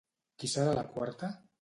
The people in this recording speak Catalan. Qui serà la quarta?